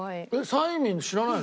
サイミン知らない。